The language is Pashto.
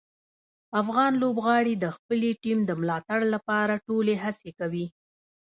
افغان لوبغاړي د خپلې ټیم د ملاتړ لپاره ټولې هڅې کوي.